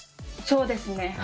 そうですね。